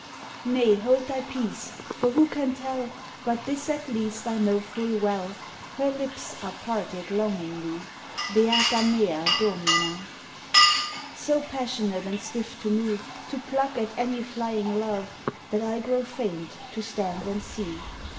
_ Nay, hold thy peace! for who can tell? But this at least I know full well, Her lips are parted longingly, Beata mea Domina! So passionate and swift to move, To pluck at any flying love, That I grow faint to stand and see.